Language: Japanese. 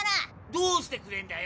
どうしてくれんだよ！